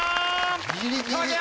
ギリギリ。